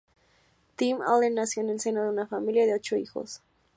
Tim Allen nació en el seno de una familia de ocho hijos.